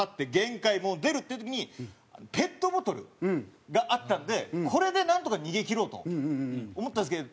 もう出る！っていう時にペットボトルがあったんでこれでなんとか逃げ切ろうと思ったんですけど